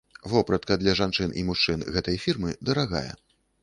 Вопратка для жанчын і мужчын гэтай фірмы дарагая.